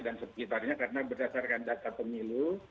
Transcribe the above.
sekitarnya karena berdasarkan data pemilu